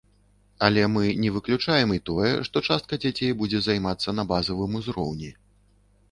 Але мы не выключаем і тое, што частка дзяцей будзе займацца на базавым узроўні.